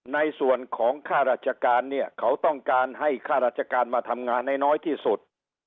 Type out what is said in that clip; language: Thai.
ในส่วนของค่าราชการเนี่ยเขาต้องการให้ค่าราชการมาทำงานให้น้อยที่สุด